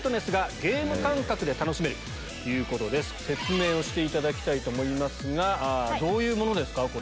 説明していただきたいと思いますどういうものですか？